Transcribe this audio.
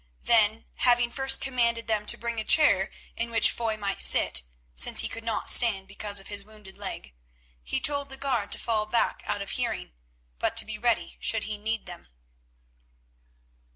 Then, having first commanded them to bring a chair in which Foy might sit, since he could not stand because of his wounded leg, he told the guard to fall back out of hearing, but to be ready should he need them.